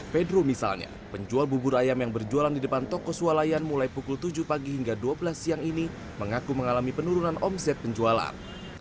pedro misalnya penjual bubur ayam yang berjualan di depan toko sualayan mulai pukul tujuh pagi hingga dua belas siang ini mengaku mengalami penurunan omset penjualan